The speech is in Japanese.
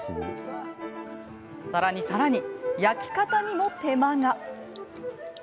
さらに、焼き方にも手間が。